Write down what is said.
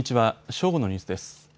正午のニュースです。